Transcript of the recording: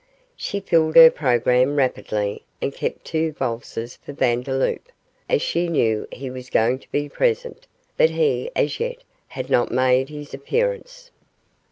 She filled her programme rapidly and kept two valses for Vandeloup, as she knew he was going to be present, but he as yet had not made his appearance.